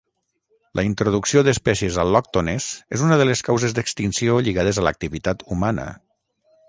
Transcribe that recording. La introducció d'espècies al·lòctones és una de les causes d'extinció lligades a l'activitat humana.